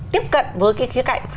tiếp cận với cái khía cạnh